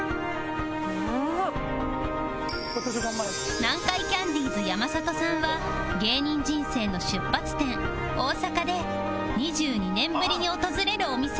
南海キャンディーズ山里さんは芸人人生の出発点大阪で２２年ぶりに訪れるお店へ